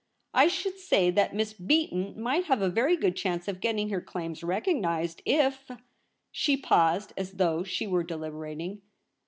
I should say that Miss Beaton might have a very good chance of getting her claims recognised if ' she paused as though she were deliberating.